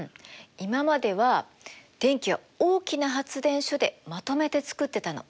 今までは電気は大きな発電所でまとめてつくってたの。